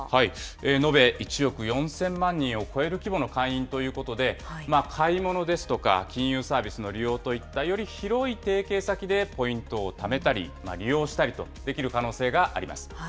延べ１億４０００万人を超える規模の会員ということで、買い物ですとか、金融サービスの利用といった、より広い提携先でポイントをためたり、利用したりとできる可能性があります。